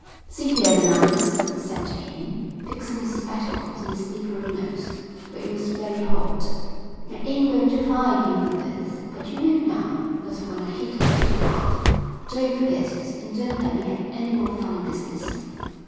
"See here, Bananas," he said to him, fixing his spectacles on his slippery nose, for it was very hot. "I ain't going to fire you for this, but you know now that when I hit, I hit hard. Don't forget it and don't let me have any more funny business."